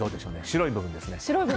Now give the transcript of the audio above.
白い部分ですね。